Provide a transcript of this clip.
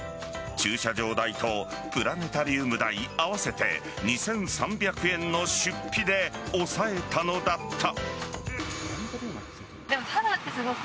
駐車場代とプラネタリウム代合わせて２３００円の出費で抑えたのだった。